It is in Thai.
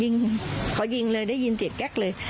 ยิงเขายิงเลยได้ยินเสียงแก๊กเลย